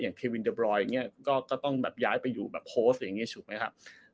อย่างเควินเดอร์บรอยก็ต้องแบบย้ายไปอยู่แบบโพสต์อย่างงี้ถูกไหมครับ